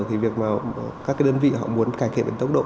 thì việc mà các đơn vị họ muốn cải thiện bằng tốc độ